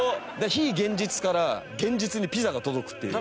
非現実から現実にピザが届くっていう。